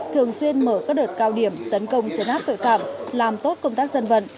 thường xuyên mở các đợt cao điểm tấn công chấn áp tội phạm làm tốt công tác dân vận